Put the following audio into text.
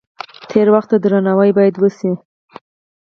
تیر وخت ته درناوی باید وشي.